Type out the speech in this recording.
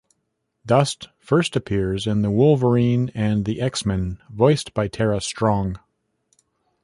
Dust first appears in the "Wolverine and the X-Men", voiced by Tara Strong.